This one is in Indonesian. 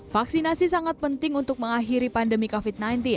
vaksinasi sangat penting untuk mengakhiri pandemi covid sembilan belas